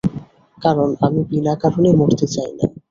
কারণ আমি বিনাকারণে মরতে চাই না।